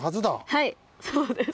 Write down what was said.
はいそうです。